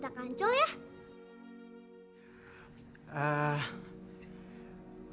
pak d nanti kalau pak d sudah sembuh